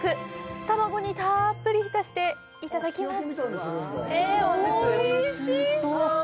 卵にたっぷり浸していただきます。